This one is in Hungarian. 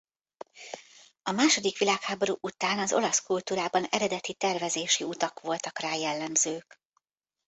A második világháború után az olasz kultúrában eredeti tervezési utak voltak rá jellemzők.